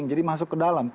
jadi masuk ke dalam